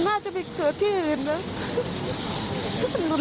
น่าจะมีเสือดที่อื่นนะ